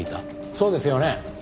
そうですよね？